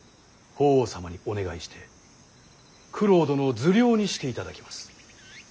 法皇様にお願いして九郎殿を受領にしていただきます。